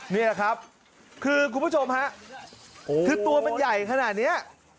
นี่แหละครับคือคุณผู้ชมฮะคือตัวมันใหญ่ขนาดนี้